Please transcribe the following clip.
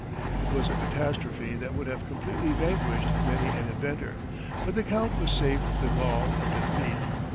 It was a catastrophe that would have completely vanquished many an inventor, but the Count was saved the gall of defeat.